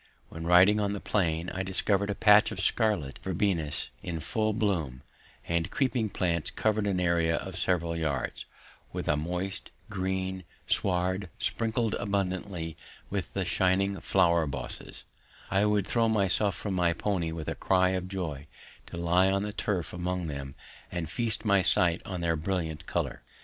When, riding on the plain, I discovered a patch of scarlet verbenas in full bloom, the creeping plants covering an area of several yards, with a moist, green sward sprinkled abundantly with the shining flower bosses, I would throw myself from my pony with a cry of joy to lie on the turf among them and feast my sight on their brilliant colour.